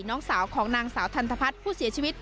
น้องสาวของนางสาวทันทพัฒน์ผู้เสียชีวิต